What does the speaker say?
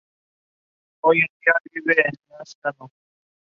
Its wireless network covers the whole library.